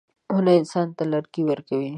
• ونه انسان ته لرګي ورکوي.